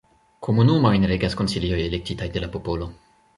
Komunumojn regas konsilioj elektitaj de la popolo.